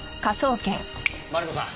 マリコさん。